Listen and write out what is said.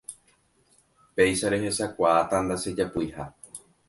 péicha rehechakuaáta ndachejapuiha